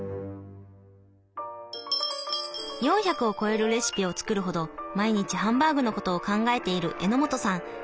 ４００を超えるレシピを作るほど毎日ハンバーグのことを考えている榎本さん。